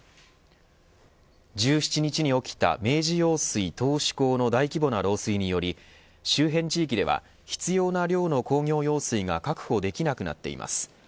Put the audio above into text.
１７日に起きた明治用水頭首工の大規模な漏水により周辺地域では必要な量の工業用水が確保できなくなっています。